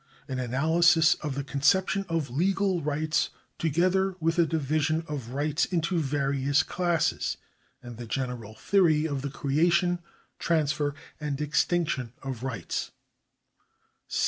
An anah^sis of the conception of legal rights together with the division of rights into various classes, and the general theory of the creation, transfer, and extinction of rights, i 7.